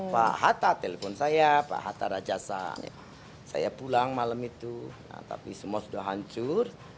pak hatta telepon saya pak hatta rajasa saya pulang malam itu tapi semua sudah hancur